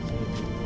gue gak percaya bi